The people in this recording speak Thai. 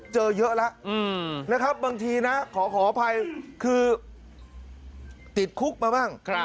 เจอเยอะแล้วนะครับบางทีนะขออภัยคือติดคุกมาบ้าง